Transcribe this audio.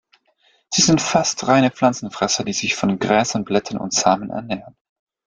Sie sind fast reine Pflanzenfresser, die sich von Gräsern, Blättern und Samen ernähren.